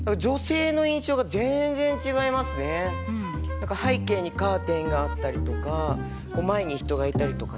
何か背景にカーテンがあったりとかこう前に人がいたりとかね。